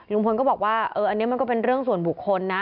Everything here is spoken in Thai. ลุงพลก็บอกว่าอันนี้มันก็เป็นเรื่องส่วนบุคคลนะ